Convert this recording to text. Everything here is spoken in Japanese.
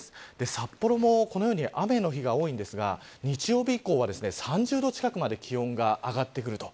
札幌もこのように雨の日が多いんですが日曜日以降は、３０度近くまで気温が上がってくると。